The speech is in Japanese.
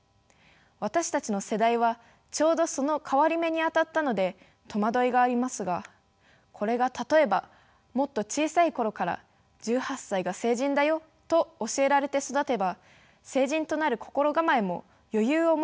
私たちの世代はちょうどその変わり目に当たったので戸惑いがありますがこれが例えばもっと小さい頃から「１８歳が成人だよ」と教えられて育てば成人となる心構えも余裕を持ってできるでしょう。